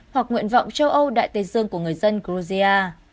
hoặc nguyện vọng châu âu đại tây dương của người dân georgia